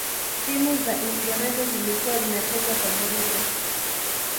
timu za uingereza zilikuwa zinacheza kwa vurugu